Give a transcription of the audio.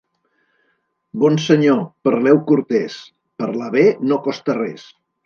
Bon senyor, parleu cortès; parlar bé no costa res.